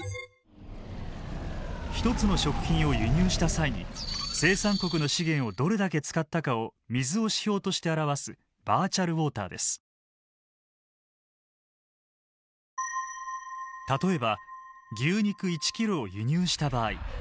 一つの食品を輸入した際に生産国の資源をどれだけ使ったかを水を指標として表す例えば牛肉１ｋｇを輸入した場合。